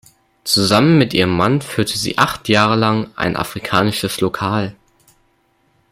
Zusammen mit ihrem Mann führte sie acht Jahre lang ein afrikanisches Lokal.